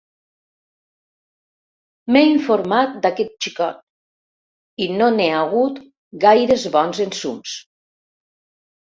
M'he informat d'aquest xicot i no n'he hagut gaires bons ensums.